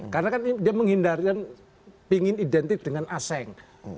karena kan dia menghindarkan pengen identit dengan asing